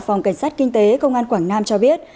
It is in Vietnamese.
phòng cảnh sát kinh tế công an quảng nam cho biết